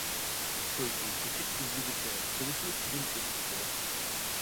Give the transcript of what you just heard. قويچى كېچىك ئىزدىگۈچە، تۆگىچى سۇدىن ئۆتۈپ بولار.